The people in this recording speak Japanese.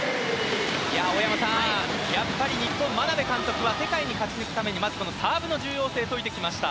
大山さん、やっぱり日本眞鍋監督は世界に勝ち抜くためにサーブの重要性を説いてきました。